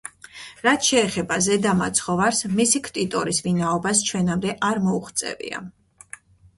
რაც შეეხება „ზედა მაცხოვარს“ მისი ქტიტორის ვინაობას ჩვენამდე არ მოუღწევია.